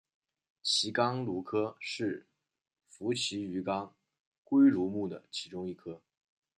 奇肛鲈科是辐鳍鱼纲鲑鲈目的其中一科。